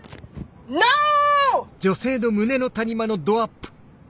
ノー！